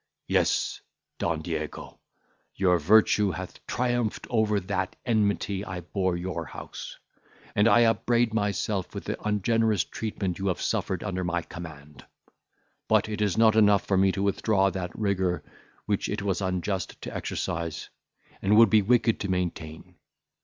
Yes, Don Diego, your virtue hath triumphed over that enmity I bore your house, and I upbraid myself with the ungenerous treatment you have suffered under my command. But it is not enough for me to withdraw that rigour which it was unjust to exercise, and would be wicked to maintain.